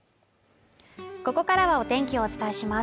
ここからはお天気をお伝えします